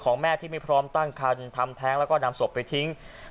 แม่ที่ไม่พร้อมตั้งคันทำแท้งแล้วก็นำศพไปทิ้ง